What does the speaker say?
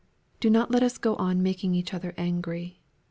"Don't let us go on making each other angry.